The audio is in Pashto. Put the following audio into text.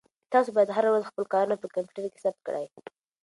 تاسو باید هره ورځ خپل کارونه په کمپیوټر کې ثبت کړئ.